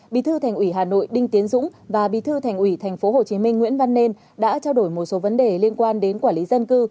bí thư thành ủy hà nội đinh tiến dũng và bí thư thành ủy tp hcm nguyễn văn nên đã trao đổi một số vấn đề liên quan đến quản lý dân cư